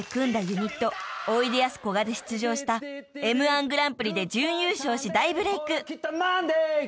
ユニットおいでやすこがで出場したＭ−１グランプリで準優勝し大ブレーク］